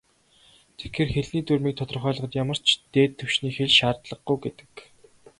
Тэгэхээр, хэлний дүрмийг тодорхойлоход ямар ч "дээд түвшний хэл" шаардлагагүй гэдэг.